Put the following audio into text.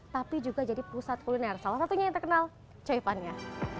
tapi juga jadi pusat kuliner salah satunya yang terkenal jaipannya